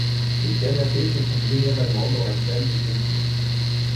Les canapés se trouvent généralement dans la salle de séjour.